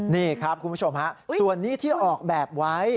นี่ครับคุณผู้ชมฮะส่วนนี้ที่ออกแบบไว้